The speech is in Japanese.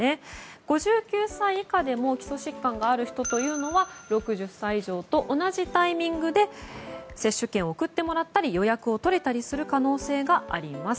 ５９歳以下でも基礎疾患がある人は６０歳以上と同じタイミングで接種券を送ってもらったり予約を取れたりする可能性があります。